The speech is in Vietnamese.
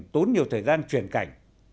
tốn nhiều thời gian truyền cảnh